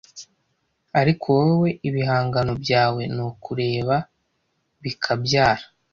ariko wowe ibihangano byawe nukureka bikabyara